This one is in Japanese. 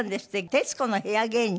徹子の部屋芸人？